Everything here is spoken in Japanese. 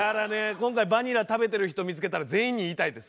今回バニラ食べてる人見つけたら全員に言いたいです。